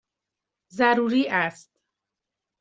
ضروری است!